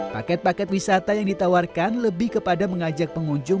paket paket wisata yang ditawarkan lebih kepada mengajak pengunjung